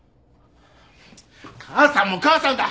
母さんも母さんだ。